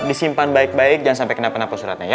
disimpan baik baik dan sampai kenapa kenapa suratnya ya